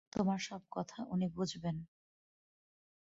তোমার সব কথা উনি বুঝবেন।